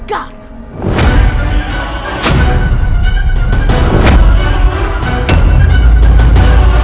aku tak berhak